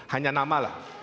hanya nama lah